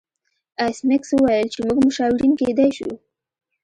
ایس میکس وویل چې موږ مشاورین کیدای شو